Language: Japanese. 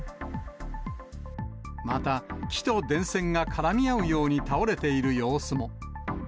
また、木と電線が絡み合うように倒れている様子も。